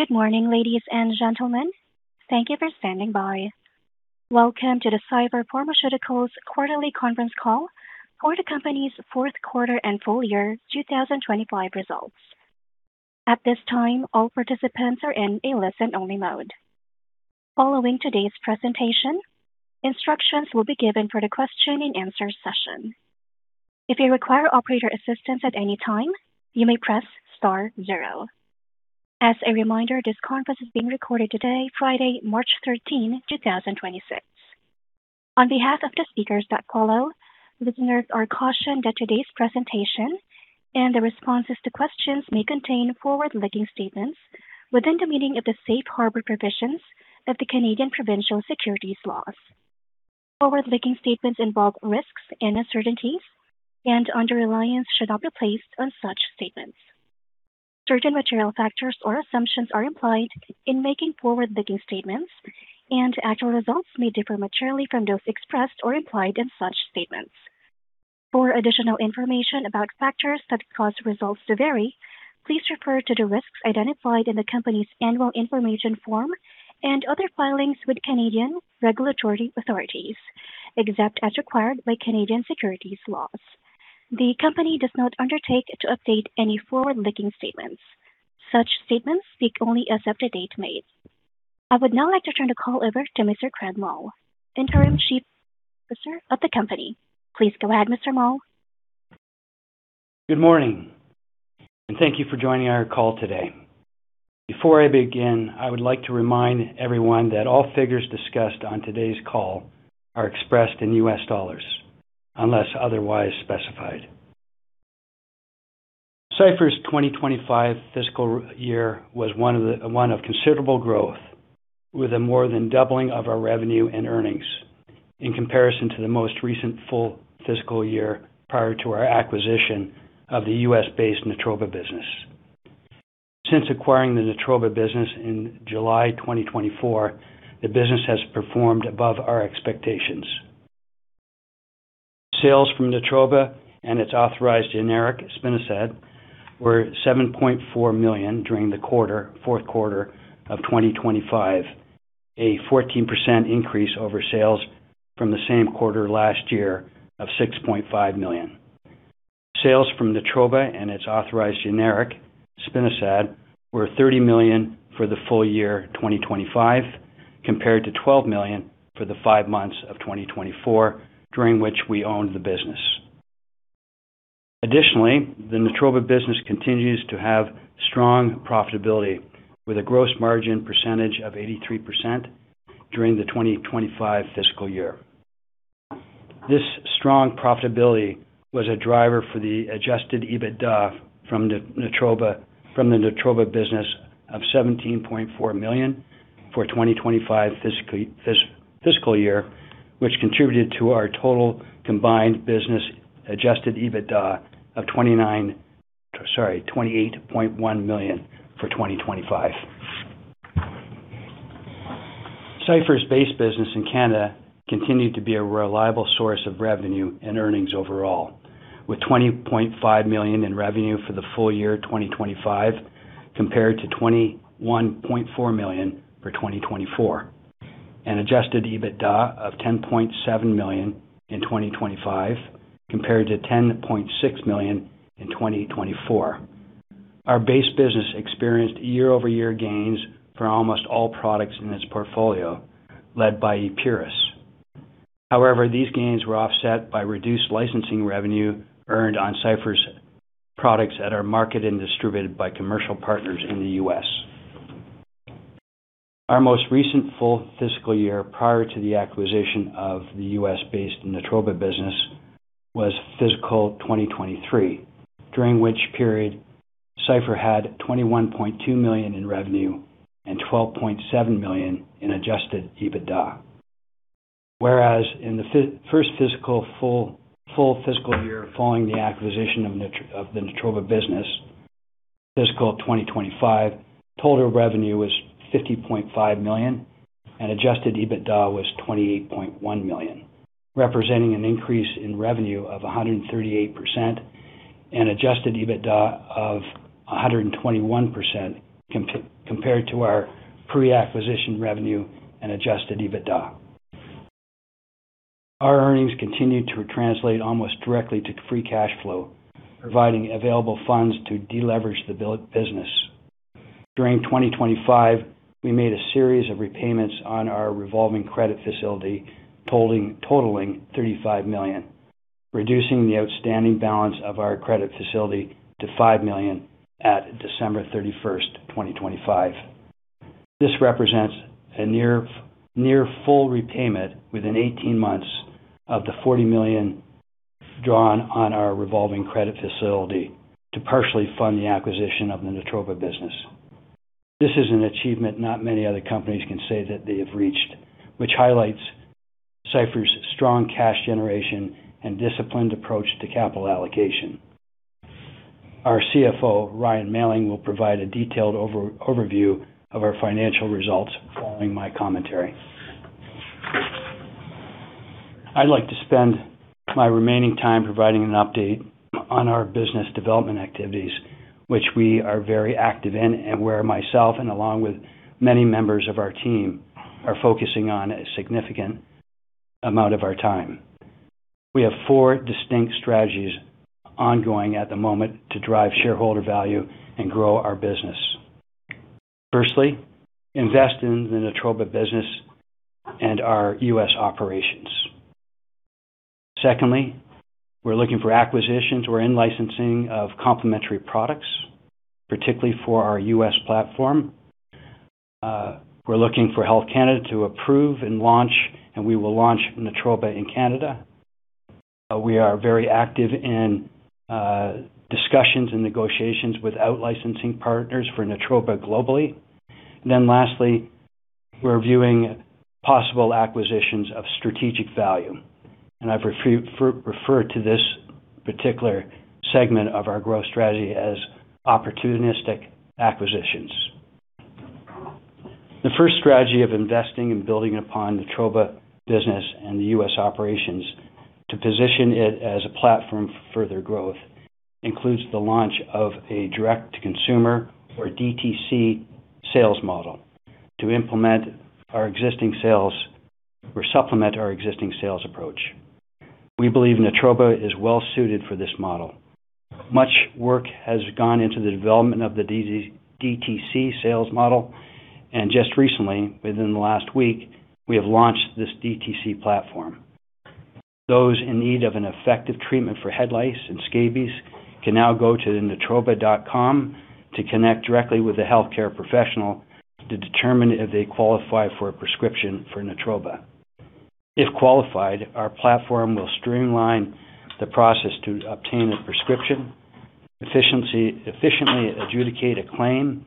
Good morning, ladies and gentlemen. Thank you for standing by. Welcome to the Cipher Pharmaceuticals quarterly conference call for the company's fourth quarter and full year 2025 results. At this time, all participants are in a listen-only mode. Following today's presentation, instructions will be given for the question-and-answer session. If you require operator assistance at any time, you may press star zero. As a reminder, this conference is being recorded today, Friday, March 13, 2026. On behalf of the speakers that follow, listeners are cautioned that today's presentation and the responses to questions may contain forward-looking statements within the meaning of the safe harbor provisions of the Canadian provincial securities laws. Forward-looking statements involve risks and uncertainties and under reliance should not be placed on such statements. Certain material factors or assumptions are implied in making forward-looking statements, and actual results may differ materially from those expressed or implied in such statements. For additional information about factors that cause results to vary, please refer to the risks identified in the company's annual information form and other filings with Canadian regulatory authorities, except as required by Canadian securities laws. The company does not undertake to update any forward-looking statements. Such statements speak only as of the date made. I would now like to turn the call over to Mr. Craig Mull, Interim Chief Executive Officer of the company. Please go ahead, Mr. Mull. Good morning and thank you for joining our call today. Before I begin, I would like to remind everyone that all figures discussed on today's call are expressed in US dollars unless otherwise specified. Cipher's 2025 fiscal year was one of considerable growth with a more than doubling of our revenue and earnings in comparison to the most recent full fiscal year prior to our acquisition of the US-based Natroba business. Since acquiring the Natroba business in July 2024, the business has performed above our expectations. Sales from Natroba and its authorized generic, Spinosad, were $7.4 million during the quarter, fourth quarter of 2025, a 14% increase over sales from the same quarter last year of $6.5 million. Sales from Natroba and its authorized generic, Spinosad, were $30 million for the full year 2025, compared to $12 million for the five months of 2024 during which we owned the business. Additionally, the Natroba business continues to have strong profitability with a gross margin percentage of 83% during the 2025 fiscal year. This strong profitability was a driver for the adjusted EBITDA from the Natroba business of $17.4 million for 2025 fiscal year, which contributed to our total combined business adjusted EBITDA of 28.1 million for 2025. Cipher's base business in Canada continued to be a reliable source of revenue and earnings overall, with $20.5 million in revenue for the full year 2025, compared to $21.4 million for 2024, and adjusted EBITDA of $10.7 million in 2025, compared to $10.6 million in 2024. Our base business experienced year-over-year gains for almost all products in its portfolio, led by Epuris. However, these gains were offset by reduced licensing revenue earned on Cipher's products that are marketed and distributed by commercial partners in the U.S. Our most recent full fiscal year prior to the acquisition of the U.S.-based Natroba business was fiscal 2023, during which period Cipher had $21.2 million in revenue and $12.7 million in adjusted EBITDA. Whereas, in the first full fiscal year following the acquisition of the Natroba business, fiscal 2025, total revenue was $50.5 million and adjusted EBITDA was 28.1 million, representing an increase in revenue of 138% and adjusted EBITDA of 121% compared to our pre-acquisition revenue and adjusted EBITDA. Our earnings continued to translate almost directly to free cash flow, providing available funds to deleverage the business. During 2025, we made a series of repayments on our revolving credit facility totaling $35 million, reducing the outstanding balance of our credit facility to $5 million at December 31, 2025. This represents a near full repayment within 18 months of the $40 million drawn on our revolving credit facility to partially fund the acquisition of the Natroba business. This is an achievement not many other companies can say that they have reached, which highlights Cipher's strong cash generation and disciplined approach to capital allocation. Our CFO, Ryan Mailling, will provide a detailed overview of our financial results following my commentary. I'd like to spend my remaining time providing an update on our business development activities, which we are very active in and where myself and along with many members of our team are focusing on a significant amount of our time. We have four distinct strategies ongoing at the moment to drive shareholder value and grow our business. Firstly, invest in the Natroba business and our US operations. Secondly, we're looking for acquisitions or in-licensing of complementary products, particularly for our US platform. We're looking for Health Canada to approve and launch, and we will launch Natroba in Canada. We are very active in discussions and negotiations with out-licensing partners for Natroba globally. Lastly, we're viewing possible acquisitions of strategic value, and I've referred to this particular segment of our growth strategy as opportunistic acquisitions. The first strategy of investing and building upon Natroba business and the U.S. operations to position it as a platform for further growth includes the launch of a direct-to-consumer or DTC sales model to implement our existing sales or supplement our existing sales approach. We believe Natroba is well suited for this model. Much work has gone into the development of the DTC sales model, and just recently, within the last week, we have launched this DTC platform. Those in need of an effective treatment for head lice and scabies can now go to natroba.com to connect directly with a healthcare professional to determine if they qualify for a prescription for Natroba. If qualified, our platform will streamline the process to obtain a prescription, efficiently adjudicate a claim,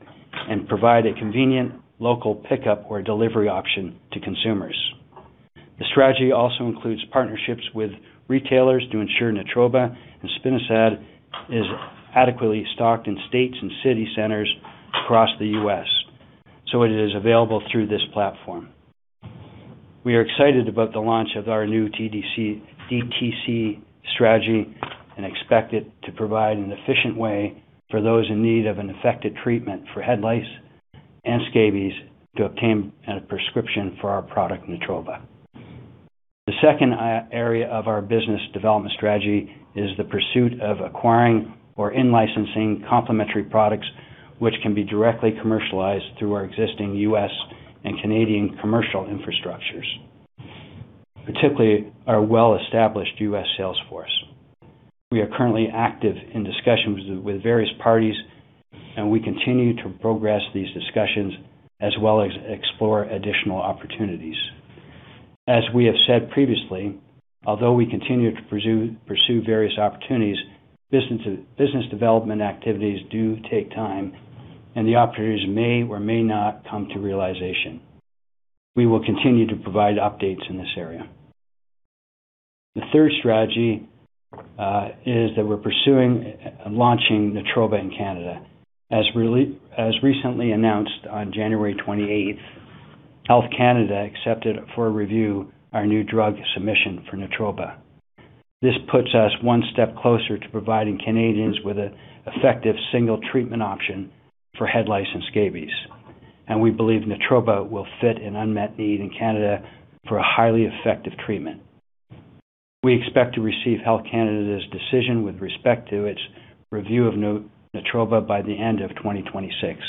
and provide a convenient local pickup or delivery option to consumers. The strategy also includes partnerships with retailers to ensure Natroba and Spinosad is adequately stocked in states and city centers across the U.S., so it is available through this platform. We are excited about the launch of our new DTC strategy and expect it to provide an efficient way for those in need of an effective treatment for head lice and scabies to obtain a prescription for our product, Natroba. The second area of our business development strategy is the pursuit of acquiring or in-licensing complementary products, which can be directly commercialized through our existing U.S. and Canadian commercial infrastructures, particularly our well-established U.S. sales force. We are currently active in discussions with various parties, and we continue to progress these discussions as well as explore additional opportunities. As we have said previously, although we continue to pursue various opportunities, business development activities do take time, and the opportunities may or may not come to realization. We will continue to provide updates in this area. The third strategy is that we're pursuing launching Natroba in Canada. As recently announced on January 28th, Health Canada accepted for review our New Drug Submission for Natroba. This puts us one step closer to providing Canadians with an effective single treatment option for head lice and scabies, and we believe Natroba will fit an unmet need in Canada for a highly effective treatment. We expect to receive Health Canada's decision with respect to its review of Natroba by the end of 2026.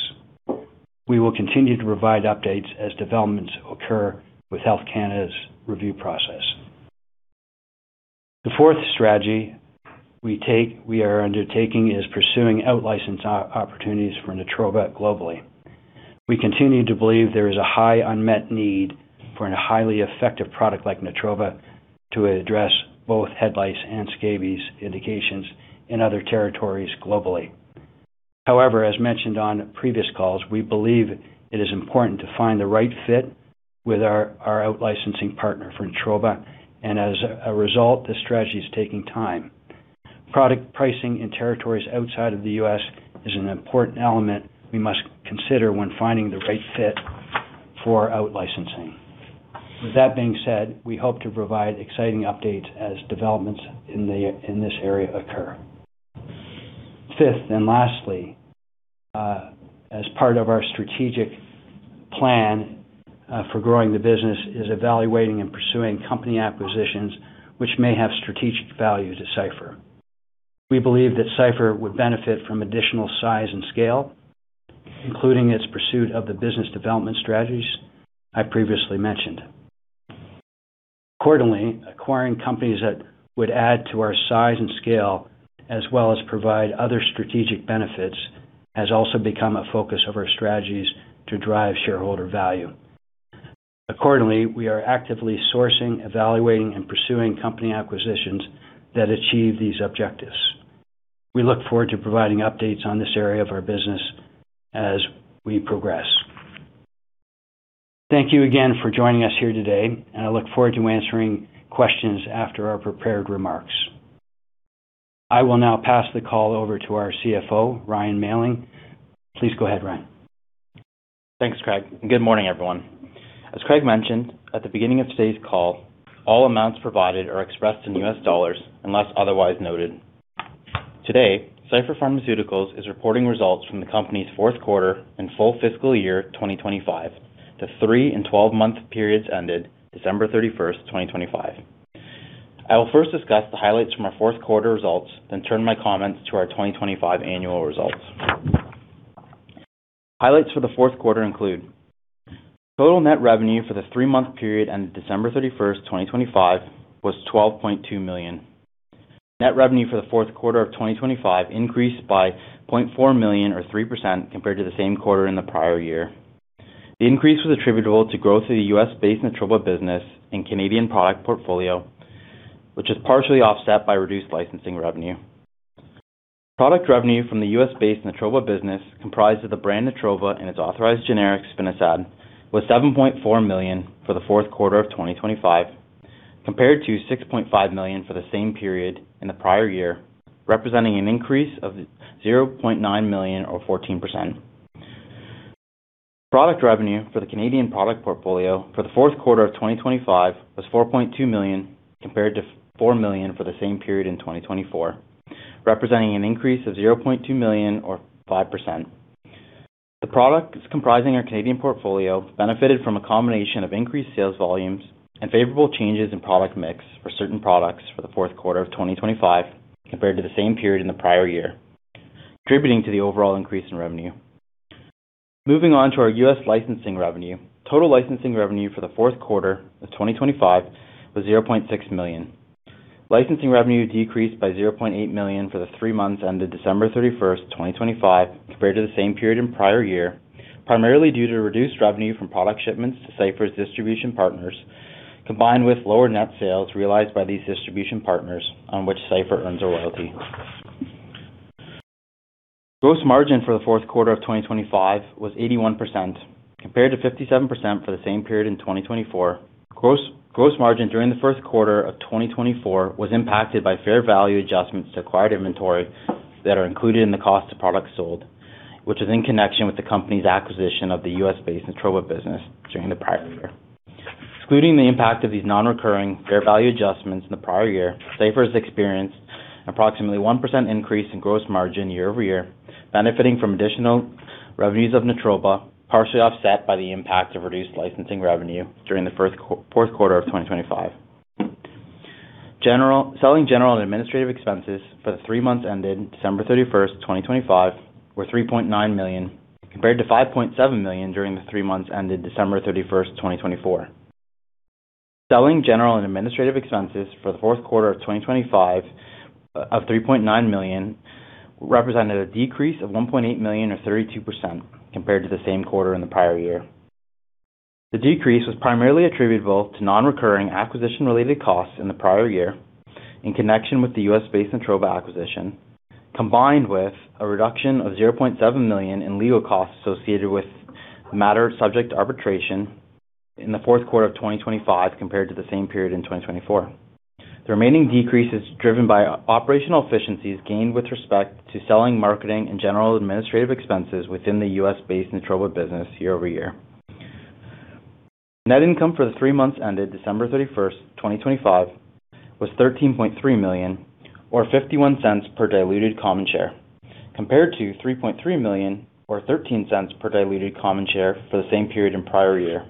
We will continue to provide updates as developments occur with Health Canada's review process. The fourth strategy we are undertaking is pursuing out-license opportunities for Natroba globally. We continue to believe there is a high unmet need for a highly effective product like Natroba to address both head lice and scabies indications in other territories globally. However, as mentioned on previous calls, we believe it is important to find the right fit with our out-licensing partner for Natroba, and as a result, this strategy is taking time. Product pricing in territories outside of the US is an important element we must consider when finding the right fit for our out-licensing. With that being said, we hope to provide exciting updates as developments in this area occur. Fifth, and lastly, as part of our strategic plan, for growing the business, is evaluating and pursuing company acquisitions which may have strategic value to Cipher. We believe that Cipher would benefit from additional size and scale, including its pursuit of the business development strategies I previously mentioned. Accordingly, acquiring companies that would add to our size and scale, as well as provide other strategic benefits, has also become a focus of our strategies to drive shareholder value. Accordingly, we are actively sourcing, evaluating, and pursuing company acquisitions that achieve these objectives. We look forward to providing updates on this area of our business as we progress. Thank you again for joining us here today, and I look forward to answering questions after our prepared remarks. I will now pass the call over to our CFO, Ryan Mailling. Please go ahead, Ryan. Thanks, Craig, and good morning, everyone. As Craig mentioned at the beginning of today's call, all amounts provided are expressed in US dollars unless otherwise noted. Today, Cipher Pharmaceuticals is reporting results from the company's fourth quarter and full fiscal year 2025, the three- and 12-month periods ended December 31, 2025. I will first discuss the highlights from our fourth quarter results, then turn my comments to our 2025 annual results. Highlights for the fourth quarter include total net revenue for the three-month period ended December 31, 2025 was $12.2 million. Net revenue for the fourth quarter of 2025 increased by $0.4 million or 3% compared to the same quarter in the prior year. The increase was attributable to growth of the U.S.-based Natroba business and Canadian product portfolio, which is partially offset by reduced licensing revenue. Product revenue from the US-based Natroba business comprised of the brand Natroba and its authorized generic Spinosad was $7.4 million for the fourth quarter of 2025, compared to $6.5 million for the same period in the prior year, representing an increase of $0.9 million or 14%. Product revenue for the Canadian product portfolio for the fourth quarter of 2025 was 4.2 million, compared to $4 million for the same period in 2024, representing an increase of 0.2 million or 5%. The products comprising our Canadian portfolio benefited from a combination of increased sales volumes and favorable changes in product mix for certain products for the fourth quarter of 2025 compared to the same period in the prior year, contributing to the overall increase in revenue. Moving on to our US licensing revenue. Total licensing revenue for the fourth quarter of 2025 was $0.6 million. Licensing revenue decreased by $0.8 million for the three months ended December 31, 2025, compared to the same period in prior year, primarily due to reduced revenue from product shipments to Cipher's distribution partners, combined with lower net sales realized by these distribution partners on which Cipher earns a royalty. Gross margin for the fourth quarter of 2025 was 81%, compared to 57% for the same period in 2024. Gross margin during the first quarter of 2024 was impacted by fair value adjustments to acquired inventory that are included in the cost of products sold, which is in connection with the company's acquisition of the U.S.-based Natroba business during the prior year. Excluding the impact of these non-recurring fair value adjustments in the prior year, Cipher has experienced approximately 1% increase in gross margin year-over-year, benefiting from additional revenues of Natroba, partially offset by the impact of reduced licensing revenue during the fourth quarter of 2025. Selling general and administrative expenses for the three months ended December 31, 2025 were $3.9 million, compared to $5.7 million during the three months ended December 31, 2024. Selling general and administrative expenses for the fourth quarter of 2025 of $3.9 million represented a decrease of $1.8 million or 32% compared to the same quarter in the prior year. The decrease was primarily attributable to non-recurring acquisition-related costs in the prior year in connection with the US-based Natroba acquisition, combined with a reduction of $0.7 million in legal costs associated with a matter subject to arbitration in the fourth quarter of 2025 compared to the same period in 2024. The remaining decrease is driven by operational efficiencies gained with respect to selling, marketing, and general administrative expenses within the US-based Natroba business year-over-year. Net income for the three months ended December 31, 2025 was $13.3 million or $0.51 per diluted common share, compared to $3.3 million or $0.13 per diluted common share for the same period in prior year.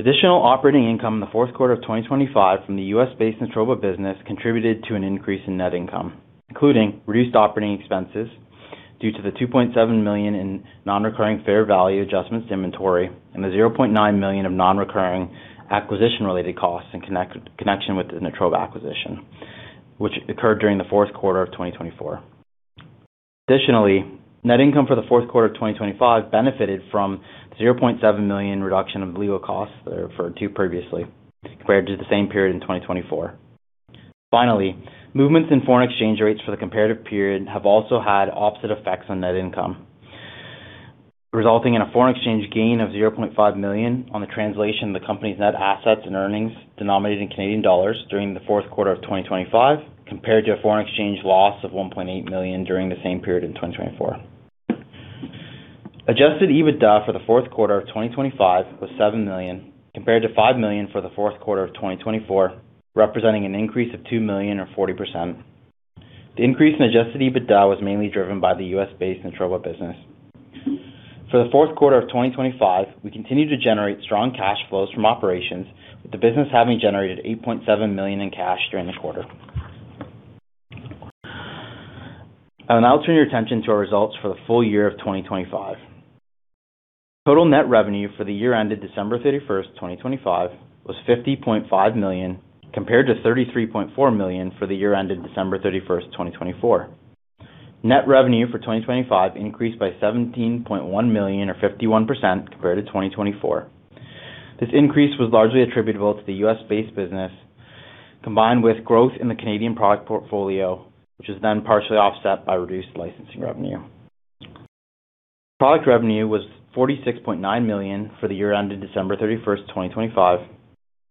Additional operating income in the fourth quarter of 2025 from the US-based Natroba business contributed to an increase in net income, including reduced operating expenses due to the $2.7 million in non-recurring fair value adjustments inventory and the $0.9 million of non-recurring acquisition-related costs in connection with the Natroba acquisition, which occurred during the fourth quarter of 2024. Additionally, net income for the fourth quarter of 2025 benefited from $0.7 million reduction in legal costs that I referred to previously compared to the same period in 2024. Finally, movements in foreign exchange rates for the comparative period have also had opposite effects on net income, resulting in a foreign exchange gain of $0.5 million on the translation of the company's net assets and earnings denominated in Canadian dollars during the fourth quarter of 2025, compared to a foreign exchange loss of $1.8 million during the same period in 2024. Adjusted EBITDA for the fourth quarter of 2025 was $7 million, compared to $5 million for the fourth quarter of 2024, representing an increase of $2 million or 40%. The increase in adjusted EBITDA was mainly driven by the U.S.-based Natroba business. For the fourth quarter of 2025, we continued to generate strong cash flows from operations with the business having generated $8.7 million in cash during the quarter. I will now turn your attention to our results for the full year of 2025. Total net revenue for the year ended December 31, 2025 was $50.5 million, compared to 33.4 million for the year ended December 31, 2024. Net revenue for 2025 increased by $17.1 million or 51% compared to 2024. This increase was largely attributable to the U.S.-based business, combined with growth in the Canadian product portfolio, which is then partially offset by reduced licensing revenue. Product revenue was $46.9 million for the year ended December 31, 2025,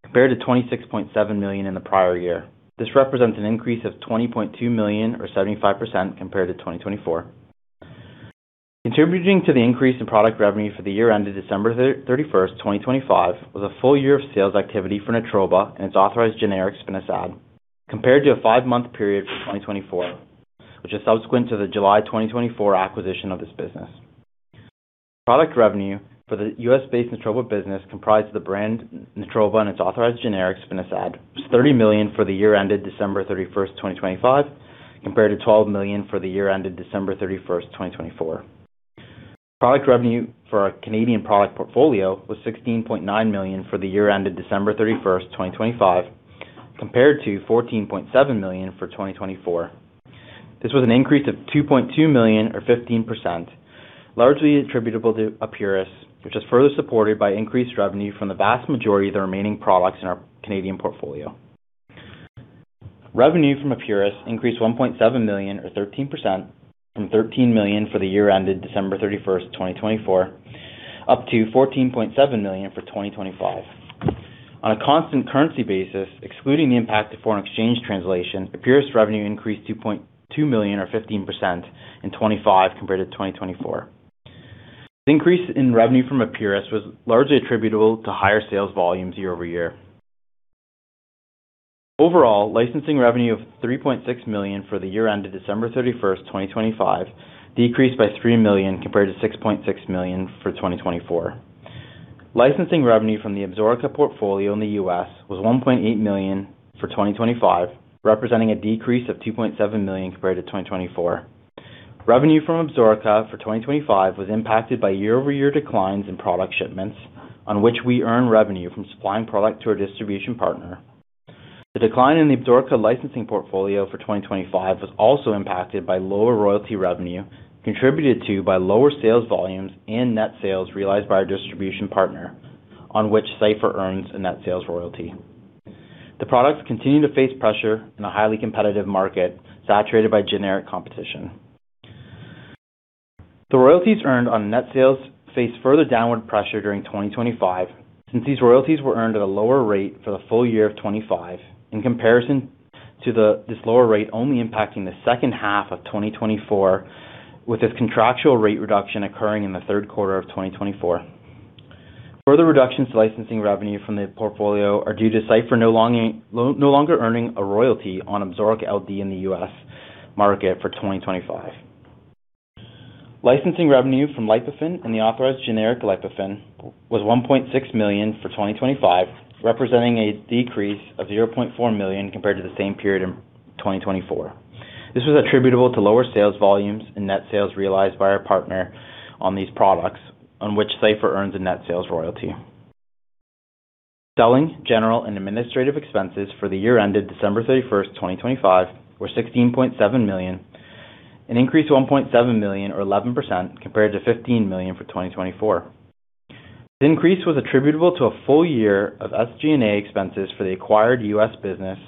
compared to $26.7 million in the prior year. This represents an increase of $20.2 million or 75% compared to 2024. Contributing to the increase in product revenue for the year ended December 31, 2025, was a full year of sales activity for Natroba and its authorized generic spinosad, compared to a five-month period for 2024, which is subsequent to the July 2024 acquisition of this business. Product revenue for the US-based Natroba business comprised the brand Natroba and its authorized generic spinosad, was $30 million for the year ended December 31, 2025, compared to $12 million for the year ended December 31, 2024. Product revenue for our Canadian product portfolio was 16.9 million for the year ended December 31, 2025, compared to 14.7 million for 2024. This was an increase of $2.2 million or 15%, largely attributable to Epuris, which is further supported by increased revenue from the vast majority of the remaining products in our Canadian portfolio. Revenue from Epuris increased $1.7 million or 13% from $13 million for the year ended December 31, 2024, up to $14.7 million for 2025. On a constant currency basis, excluding the impact of foreign exchange translation, Epuris revenue increased $2.2 million or 15% in 2025 compared to 2024. The increase in revenue from Epuris was largely attributable to higher sales volumes year-over-year. Overall, licensing revenue of $3.6 million for the year ended December 31, 2025, decreased by $3 million compared to $6.6 million for 2024. Licensing revenue from the Absorica portfolio in the U.S. was $1.8 million for 2025, representing a decrease of $2.7 million compared to 2024. Revenue from Absorica for 2025 was impacted by year-over-year declines in product shipments on which we earn revenue from supplying product to our distribution partner. The decline in the Absorica licensing portfolio for 2025 was also impacted by lower royalty revenue contributed to by lower sales volumes and net sales realized by our distribution partner on which Cipher earns a net sales royalty. The products continue to face pressure in a highly competitive market saturated by generic competition. The royalties earned on net sales faced further downward pressure during 2025, since these royalties were earned at a lower rate for the full year of 2025 in comparison to this lower rate only impacting the second half of 2024, with this contractual rate reduction occurring in the third quarter of 2024. Further reductions to licensing revenue from the portfolio are due to Cipher no longer earning a royalty on Absorica LD in the US market for 2025. Licensing revenue from Lipofen and the authorized generic Lipofen was $1.6 million for 2025, representing a decrease of $0.4 million compared to the same period in 2024. This was attributable to lower sales volumes and net sales realized by our partner on these products on which Cipher earns a net sales royalty. Selling, general and administrative expenses for the year ended December thirty-first, 2025, were $16.7 million, an increase of $1.7 million or 11% compared to $15 million for 2024. The increase was attributable to a full year of SG&A expenses for the acquired US business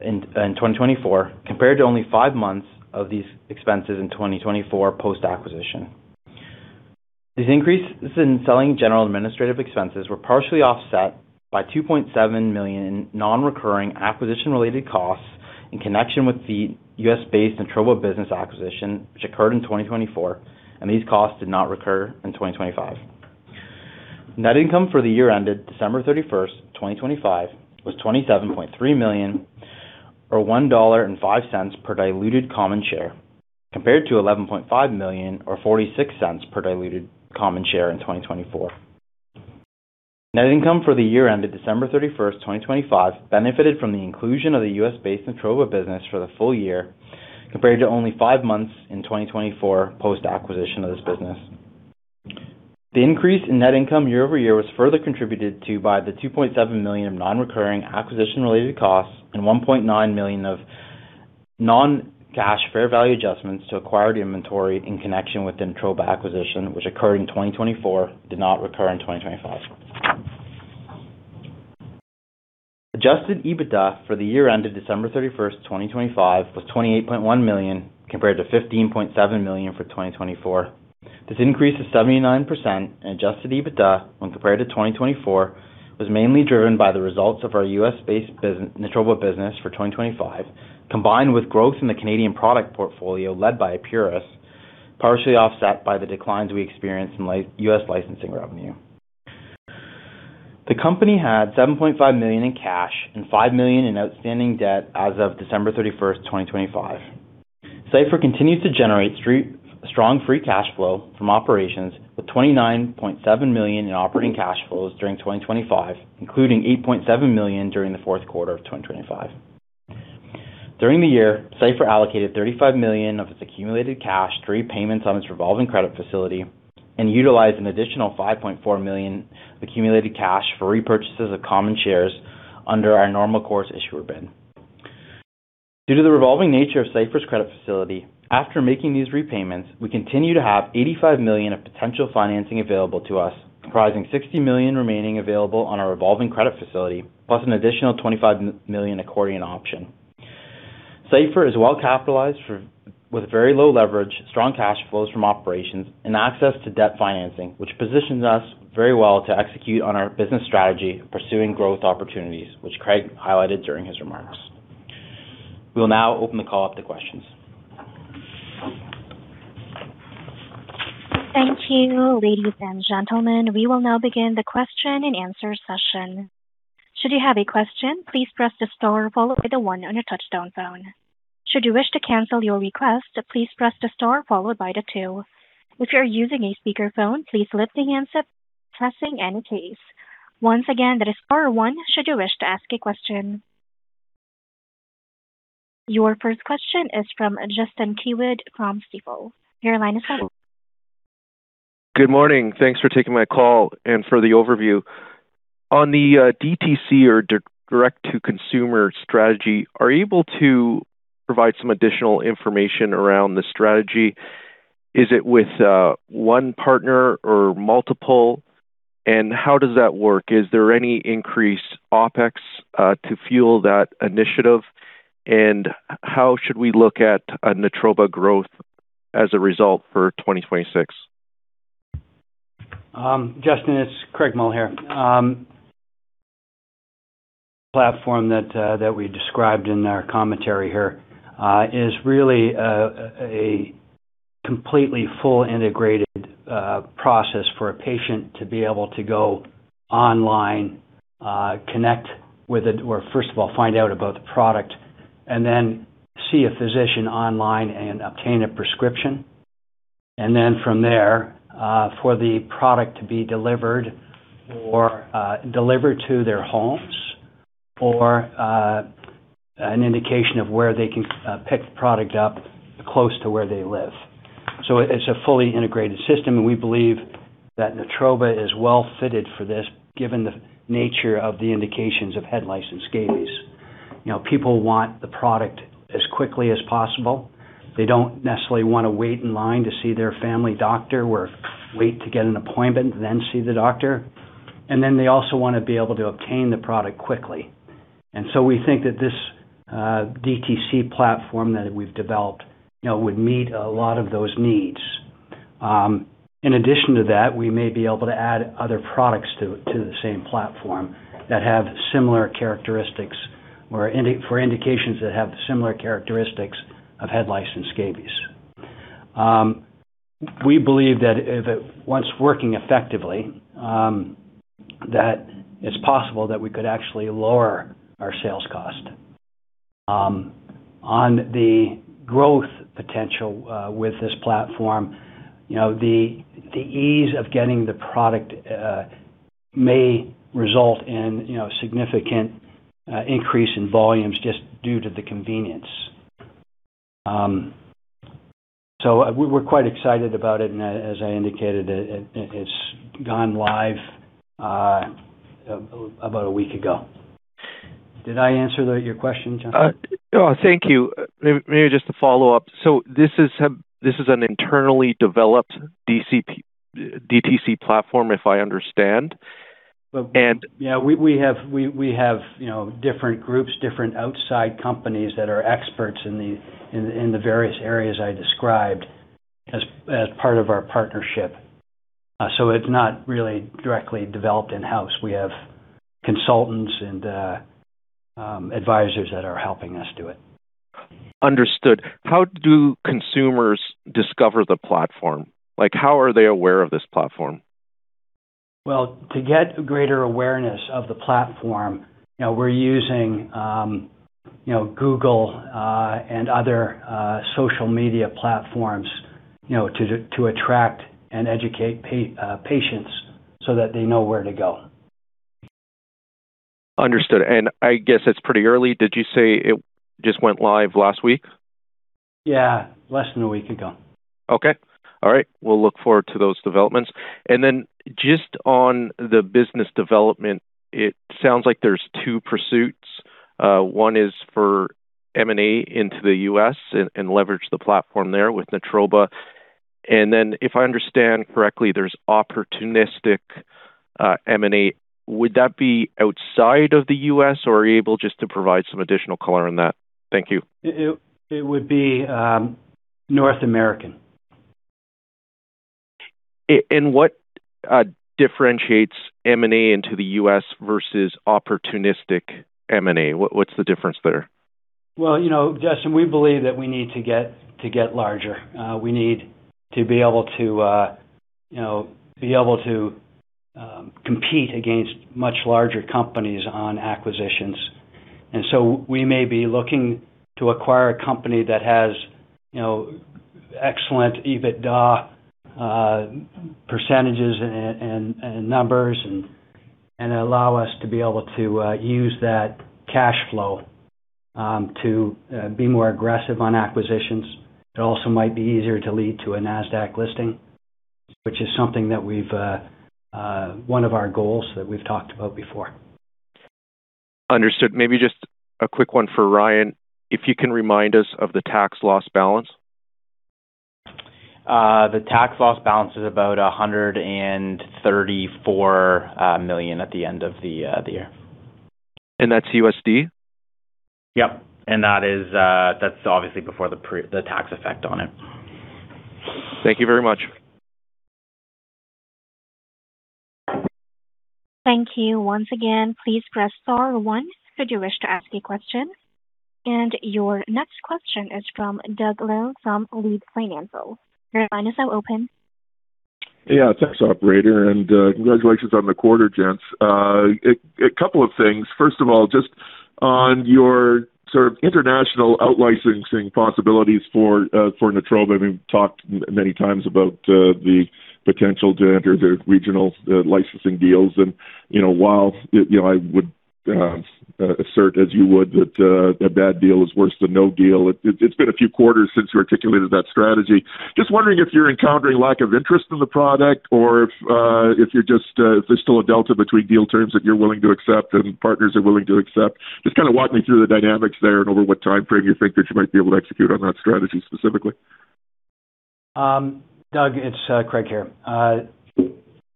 in 2024 compared to only five months of these expenses in 2024 post-acquisition. These increases in selling, general and administrative expenses were partially offset by $2.7 million in non-recurring acquisition-related costs in connection with the U.S.-based Natroba business acquisition, which occurred in 2024, and these costs did not recur in 2025. Net income for the year ended December thirty-first, 2025, was $27.3 million or $1.05 per diluted common share, compared to $11.5 million or $0.46 per diluted common share in 2024. Net income for the year ended December 31, 2025, benefited from the inclusion of the US-based Natroba business for the full year, compared to only five months in 2024 post-acquisition of this business. The increase in net income year-over-year was further contributed to by the $2.7 million of non-recurring acquisition-related costs and $1.9 million of non-cash fair value adjustments to acquired inventory in connection with the Natroba acquisition, which occurred in 2024, did not recur in 2025. Adjusted EBITDA for the year ended December 31, 2025, was $28.1 million, compared to $15.7 million for 2024. This increase of 79% in adjusted EBITDA when compared to 2024 was mainly driven by the results of our US-based Natroba business for 2025, combined with growth in the Canadian product portfolio led by Epuris, partially offset by the declines we experienced in US licensing revenue. The company had $7.5 million in cash and $5 million in outstanding debt as of December 31, 2025. Cipher continued to generate strong free cash flow from operations with $29.7 million in operating cash flows during 2025, including $8.7 million during the fourth quarter of 2025. During the year, Cipher allocated $35 million of its accumulated cash to repayments on its revolving credit facility and utilized an additional $5.4 million accumulated cash for repurchases of common shares under our normal course issuer bid. Due to the revolving nature of Cipher's credit facility, after making these repayments, we continue to have $85 million of potential financing available to us, comprising $60 million remaining available on our revolving credit facility, plus an additional $25 million accordion option. Cipher is well capitalized for, with very low leverage, strong cash flows from operations and access to debt financing, which positions us very well to execute on our business strategy pursuing growth opportunities, which Craig highlighted during his remarks. We will now open the call up to questions. Thank you, ladies and gentlemen. We will now begin the question-and-answer session. Should you have a question, please press the star followed by the one on your touch-tone phone. Should you wish to cancel your request, please press the star followed by the two. If you're using a speakerphone, please lift the handset, pressing any keys. Once again, that is star one should you wish to ask a question. Your first question is from Justin Keywood from Stifel. Your line is open. Good morning. Thanks for taking my call and for the overview. On the DTC or direct-to-consumer strategy, are you able to provide some additional information around the strategy? Is it with one partner or multiple? How does that work? Is there any increased OpEx to fuel that initiative? How should we look at Natroba growth as a result for 2026? Justin, it's Craig Mull here. Platform that we described in our commentary here is really a completely fully integrated process for a patient to be able to go online, first of all, find out about the product and then see a physician online and obtain a prescription. From there, for the product to be delivered to their homes or an indication of where they can pick the product up close to where they live. It's a fully integrated system, and we believe that Natroba is well fitted for this given the nature of the indications of head lice and scabies. You know, people want the product as quickly as possible. They don't necessarily wanna wait in line to see their family doctor or wait to get an appointment, then see the doctor. Then they also wanna be able to obtain the product quickly. We think that this DTC platform that we've developed, you know, would meet a lot of those needs. In addition to that, we may be able to add other products to the same platform that have similar characteristics or for indications that have similar characteristics of head lice and scabies. We believe that once working effectively, that it's possible that we could actually lower our sales cost. On the growth potential with this platform, you know, the ease of getting the product may result in, you know, significant increase in volumes just due to the convenience. We're quite excited about it. As I indicated, it's gone live about a week ago. Did I answer your question, Justin? No, thank you. Maybe just to follow up. This is an internally developed DTC platform, if I understand. Yeah. We have, you know, different groups, different outside companies that are experts in the various areas I described as part of our partnership. So it's not really directly developed in-house. We have consultants and advisors that are helping us do it. Understood. How do consumers discover the platform? Like, how are they aware of this platform? Well, to get greater awareness of the platform, you know, we're using, you know, Google, and other, social media platforms, you know, to attract and educate patients so that they know where to go. Understood. I guess it's pretty early. Did you say it just went live last week? Yeah, less than a week ago. Okay. All right. We'll look forward to those developments. Then just on the business development, it sounds like there's two pursuits. One is for M&A into the U.S. and leverage the platform there with Natroba. Then if I understand correctly, there's opportunistic M&A. Would that be outside of the U.S., or are you able just to provide some additional color on that? Thank you. It would be North American. What differentiates M&A into the US versus opportunistic M&A? What's the difference there? Well, you know, Justin, we believe that we need to get larger. We need to be able to, you know, compete against much larger companies on acquisitions. We may be looking to acquire a company that has, you know, excellent EBITDA percentages and numbers and allow us to be able to use that cash flow to be more aggressive on acquisitions. It also might be easier to lead to a Nasdaq listing, which is one of our goals that we've talked about before. Understood. Maybe just a quick one for Ryan. If you can remind us of the tax loss balance. The tax loss balance is about 134 million at the end of the year. That's USD? Yep. That is, that's obviously before the tax effect on it. Thank you very much. Thank you. Once again, please press star one should you wish to ask a question. Your next question is from Douglas W. Loe from Leede Financial. Your line is now open. Yeah. Thanks, operator, and congratulations on the quarter, gents. A couple of things. First of all, just on your sort of international out-licensing possibilities for Natroba, I mean, we've talked many times about the potential to enter the regional licensing deals. You know, while you know, I would assert as you would that a bad deal is worse than no deal, it's been a few quarters since you articulated that strategy. Just wondering if you're encountering lack of interest in the product or if there's still a delta between deal terms that you're willing to accept and partners are willing to accept. Just kinda walk me through the dynamics there and over what timeframe you think that you might be able to execute on that strategy specifically. Doug, it's Craig here.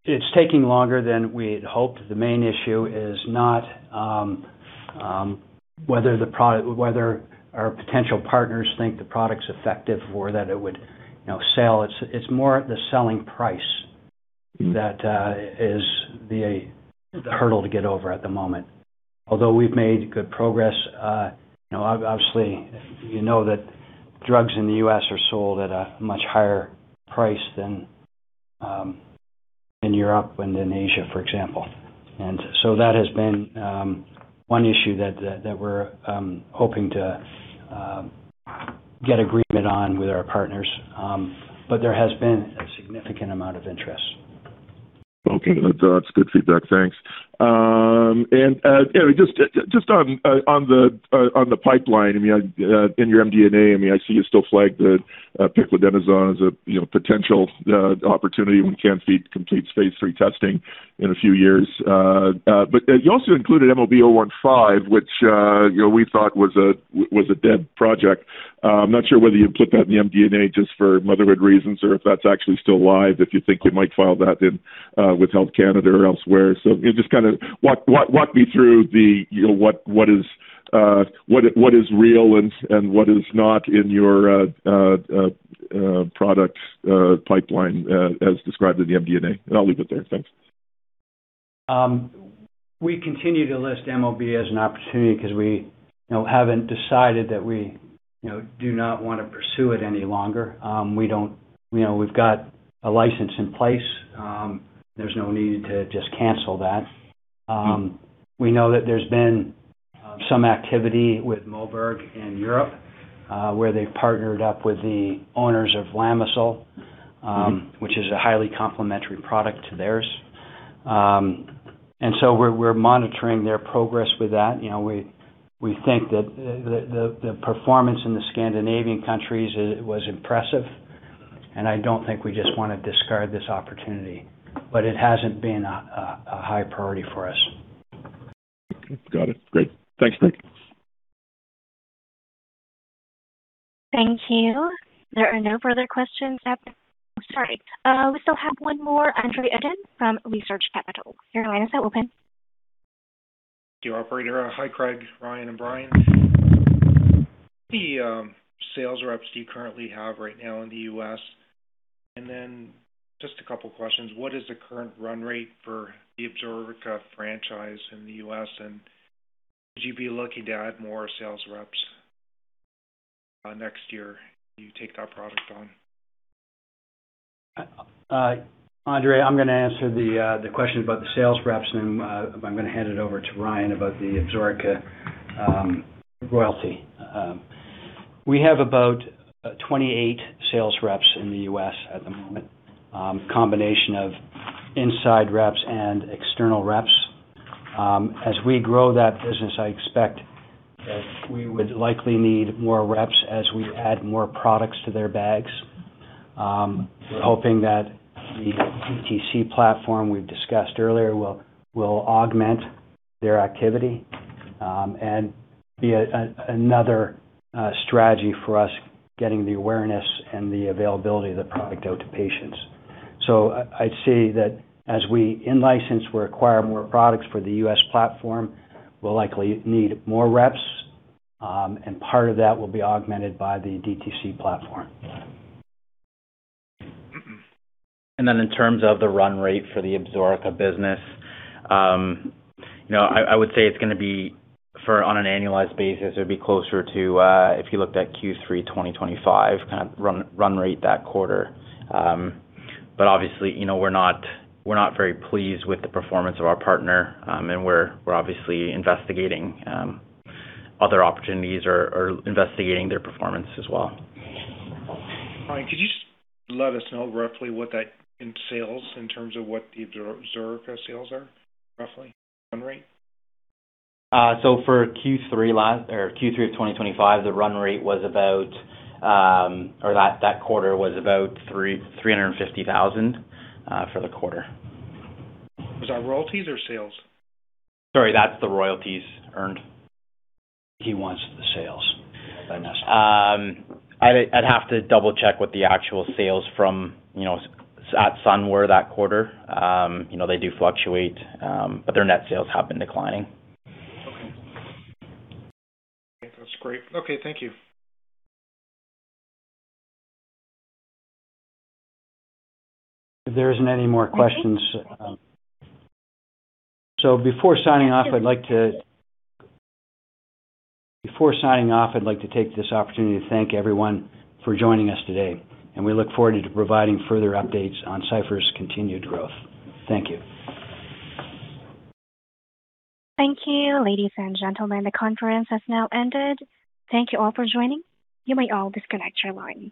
It's taking longer than we'd hoped. The main issue is not whether our potential partners think the product's effective or that it would, you know, sell. It's more the selling price that is the hurdle to get over at the moment. Although we've made good progress, you know, obviously, you know that drugs in the U.S. are sold at a much higher price than in Europe and in Asia, for example. That has been one issue that we're hoping to get agreement on with our partners. But there has been a significant amount of interest. Okay. That's good feedback. Thanks. You know, just on the pipeline, I mean, in your MD&A, I mean, I see you still flagged the Piclidenoson as a potential opportunity when Can-Fite completes phase three testing in a few years. You also included MOB-015, which you know, we thought was a dead project. I'm not sure whether you put that in the MD&A just for motherhood reasons or if that's actually still live, if you think you might file that in with Health Canada or elsewhere. You know, just kinda walk me through what is real and what is not in your product pipeline, as described in the MD&A, and I'll leave it there. Thanks. We continue to list MOB as an opportunity 'cause we, you know, haven't decided that we, you know, do not wanna pursue it any longer. You know, we've got a license in place. There's no need to just cancel that. We know that there's been some activity with Moberg in Europe, where they've partnered up with the owners of Lamisil, which is a highly complementary product to theirs. We're monitoring their progress with that. You know, we think that the performance in the Scandinavian countries it was impressive, and I don't think we just wanna discard this opportunity. It hasn't been a high priority for us. Okay. Got it. Great. Thanks, Craig. Thank you. There are no further questions. Sorry, we still have one more. Andre Uddin from Research Capital. Your line is now open. Thank you, operator. Hi, Craig, Ryan, and Bryan. The sales reps you currently have right now in the U.S., and then just a couple questions. What is the current run rate for the Absorica franchise in the U.S., and would you be looking to add more sales reps next year if you take that product on? Andre, I'm gonna answer the question about the sales reps and I'm gonna hand it over to Ryan about the Absorica royalty. We have about 28 sales reps in the U.S. at the moment, combination of inside reps and external reps. As we grow that business, I expect that we would likely need more reps as we add more products to their bags. We're hoping that the DTC platform we've discussed earlier will augment their activity and be another strategy for us getting the awareness and the availability of the product out to patients. I'd say that as we in-license or acquire more products for the U.S. platform, we'll likely need more reps and part of that will be augmented by the DTC platform. In terms of the run rate for the Absorica business, you know, I would say it's gonna be for on an annualized basis, it would be closer to if you looked at Q3 2025 kind of run rate that quarter. But obviously, you know, we're not very pleased with the performance of our partner, and we're obviously investigating other opportunities or investigating their performance as well. Ryan, could you just let us know roughly what that is in sales in terms of what the Absorica sales are roughly run rate? For Q3 of 2025, the run rate was about, or that quarter was about 350,000 for the quarter. Was that royalties or sales? Sorry, that's the royalties earned. He wants the sales. I'd have to double-check what the actual sales from, you know, at Sun were that quarter. You know, they do fluctuate, but their net sales have been declining. Okay. That's great. Okay, thank you. If there isn't any more questions, before signing off, I'd like to take this opportunity to thank everyone for joining us today, and we look forward to providing further updates on Cipher's continued growth. Thank you. Thank you, ladies and gentlemen. The conference has now ended. Thank you all for joining. You may all disconnect your line.